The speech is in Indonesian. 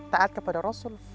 taat kepada rasul